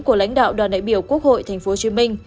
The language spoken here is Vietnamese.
của lãnh đạo đoàn đại biểu quốc hội thành phố hồ chí minh